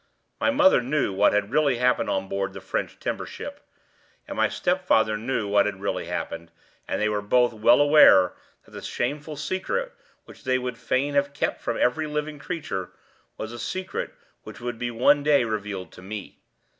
My mother knew what had really happened on board the French timber ship, and my stepfather knew what had really happened, and they were both well aware that the shameful secret which they would fain have kept from every living creature was a secret which would be one day revealed to me.